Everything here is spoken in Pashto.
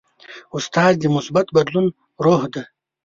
استاد د مثبت بدلون روح دی.